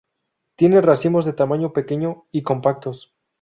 Tiene racimos de tamaño pequeño y compactos.